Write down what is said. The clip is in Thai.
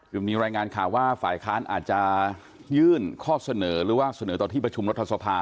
คือมีรายงานข่าวว่าฝ่ายค้านอาจจะยื่นข้อเสนอหรือว่าเสนอต่อที่ประชุมรัฐสภา